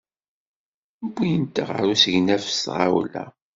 Wwin-t ɣer usegnaf s tɣawla.